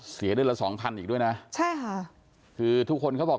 เสียเดือนละสองพันอีกด้วยนะใช่ค่ะคือทุกคนเขาบอก